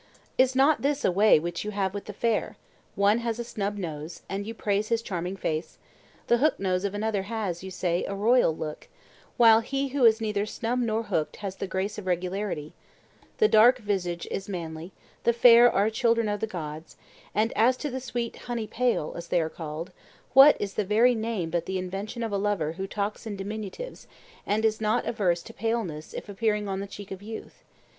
Is not this a way which you have with the fair: one has a snub nose, and you praise his charming face; the hook nose of another has, you say, a royal look; while he who is neither snub nor hooked has the grace of regularity: the dark visage is manly, the fair are children of the gods; and as to the sweet 'honey pale,' as they are called, what is the very name but the invention of a lover who talks in diminutives, and is not averse to paleness if appearing on the cheek of youth?